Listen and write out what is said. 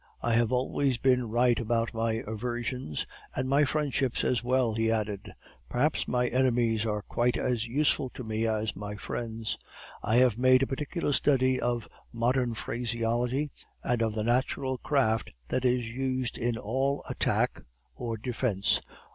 'I have always been right about my aversions and my friendships as well,' he added. 'Perhaps my enemies are quite as useful to me as my friends. I have made a particular study of modern phraseology, and of the natural craft that is used in all attack or defence.